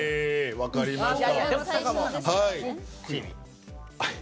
分かりました。